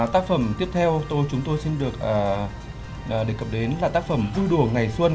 tác phẩm tiếp theo chúng tôi xin được đề cập đến là tác phẩm vui đùa ngày xuân